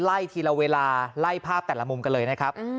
ไล่ทีละเวลาไล่ภาพแต่ละมุมกันเลยนะครับ